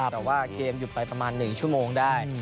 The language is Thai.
แต่ว่าเกมหยุดไปประมาณ๑ชั่วโมงได้